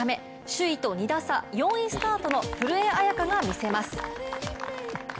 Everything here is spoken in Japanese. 首位と２打差、４位スタートの古江彩佳がみせます。